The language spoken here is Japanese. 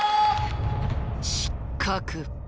失格。